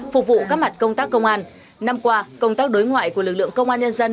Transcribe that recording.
phục vụ các mặt công tác công an năm qua công tác đối ngoại của lực lượng công an nhân dân